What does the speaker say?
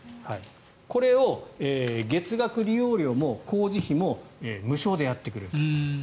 これを月額利用料も工事費も無償でやってくれると。